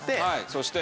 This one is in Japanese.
そして？